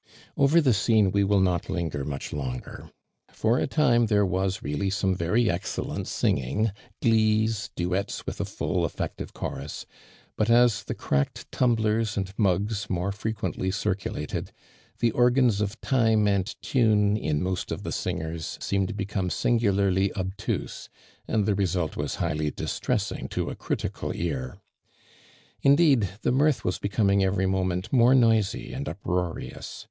Over the scene we will not linger mucli longer. For a time there was really some very excellent singing, glees, duetts with a full, effective chorus, but as the cracked tumblers and mugs more frequently circu lated, the organs of time and tune in most of the singers seemed to become singularly obtuse, and the result was highly distressing to a critical ear. Indeed the mirth was becoming every moment more noisy and uproarious.